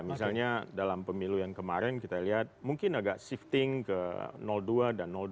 misalnya dalam pemilu yang kemarin kita lihat mungkin agak shifting ke dua dan dua